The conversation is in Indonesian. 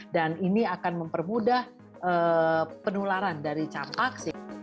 dan ini akan mempermudah penularan dari campak